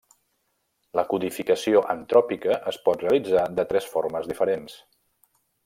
La codificació entròpica es pot realitzar de tres formes diferents.